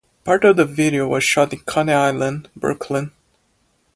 Part of the video was shot in Coney Island, Brooklyn.